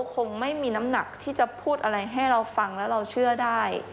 คงไม่มีน้ำหนักที่จะพูดอะไรให้เราฟังแล้วเราเชื่อได้